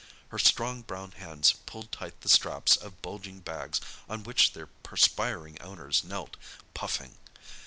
Her strong brown hands pulled tight the straps of bulging bags on which their perspiring owners knelt, puffing.